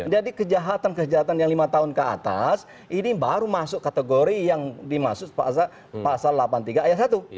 jadi kejahatan kejahatan yang lima tahun ke atas ini baru masuk kategori yang dimasuk pasal delapan puluh tiga ayat satu